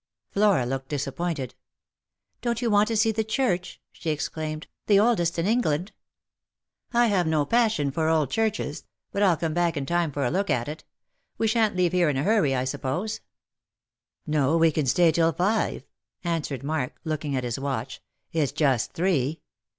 Mora looked disappointed. " Don't you want to see the church ?" she exclaimed—" the oldest in England." " I have no passion for old churches ; but I'll come back in time for a look at it. "We shan't leave here in a hurry, I suppose ?"" No, we can stay till five," answered Mark, looking at his watch. " It's just three.